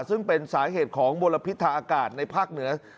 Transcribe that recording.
ซึ่งเป็นสาเหตุของมลพิษทางอากาศในภาคเหนือ